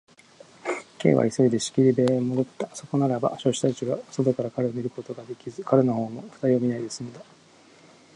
Ｋ は急いで仕切り部屋へもどった。そこならば、助手たちが外から彼を見ることができず、彼のほうも二人を見ないですんだ。